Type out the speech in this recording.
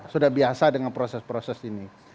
sudah biasa dengan proses proses ini